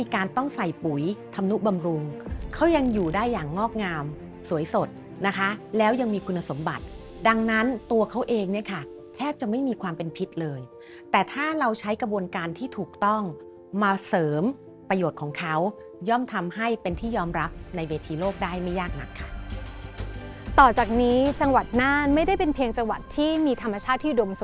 การต้องใส่ปุ๋ยธรรมนุบำรุงเขายังอยู่ได้อย่างงอกงามสวยสดนะคะแล้วยังมีคุณสมบัติดังนั้นตัวเขาเองเนี่ยค่ะแทบจะไม่มีความเป็นพิษเลยแต่ถ้าเราใช้กระบวนการที่ถูกต้องมาเสริมประโยชน์ของเขาย่อมทำให้เป็นที่ยอมรับในเวทีโลกได้ไม่ยากนักค่ะต่อจากนี้จังหวัดน่านไม่ได้เป็นเพียงจังหวัดที่มีธรรมชาติที่ดมส